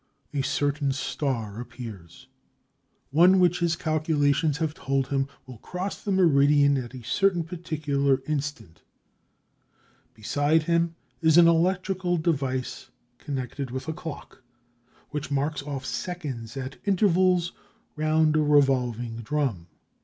A certain star appears, one which his calculations have told him will cross the meridian at a certain particular instant. Beside him is an electrical device connected with a clock, which marks off seconds at intervals round a revolving drum.